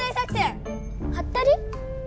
ハッタリ？